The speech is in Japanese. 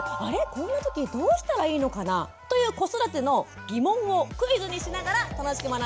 こんな時どうしたらいいのかな？」という子育ての疑問をクイズにしながら楽しく学んでいきたいと思います。